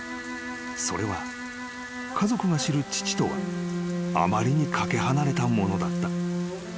［それは家族が知る父とはあまりに懸け離れたものだった］